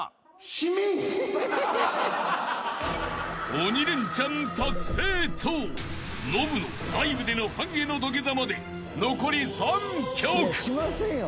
［鬼レンチャン達成とノブのライブでのファンへの土下座まで残り３曲］しませんよ